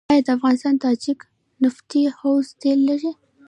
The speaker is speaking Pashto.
آیا د افغان تاجک نفتي حوزه تیل لري؟